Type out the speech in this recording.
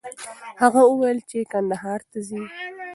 هغه وویل چې کندهار ته ځي.